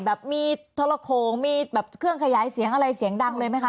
แบบมีทรโขงมีแบบเครื่องขยายเสียงอะไรเสียงดังเลยไหมคะ